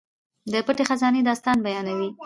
د پټې خزانې داستان بیانوي.